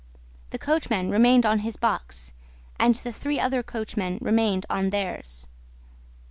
The coachman remained on his box, and the three other coachmen remained on theirs.